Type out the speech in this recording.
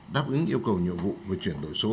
đáp ứng yêu cầu nhiệm vụ về chuyển đổi số